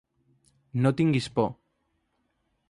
No tinguis por.